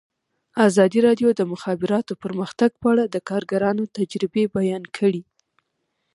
ازادي راډیو د د مخابراتو پرمختګ په اړه د کارګرانو تجربې بیان کړي.